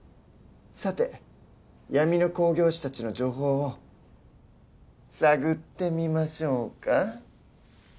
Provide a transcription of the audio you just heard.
さて闇の興行師達の情報を探ってみましょうか？